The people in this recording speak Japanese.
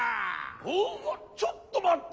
おおちょっとまった！